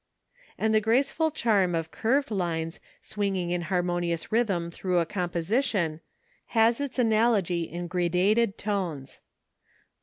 And the graceful charm of curved lines swinging in harmonious rhythm through a composition has its analogy in gradated tones.